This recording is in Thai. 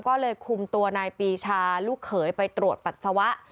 ก็เลยคุมตัวนายปีชาลูกเขยไปตรวจปัสสาวะ